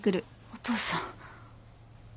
お父さん。